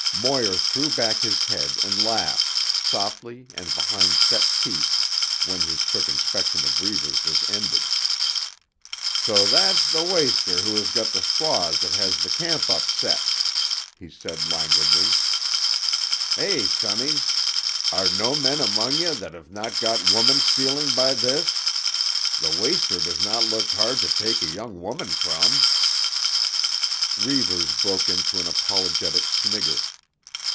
Moir threw back his head and laughed, softly and behind set teeth, when his quick inspection of Reivers was ended. "So that's tuh waster who's got tuh squaws 'at hass tuh camp upset," he said languidly. "Eh, sonnies! Art no men among ye that ye have not gone woman stealing by this? Tuh waster does not look hard to take a young woman from." Reivers broke into an apologetic snigger.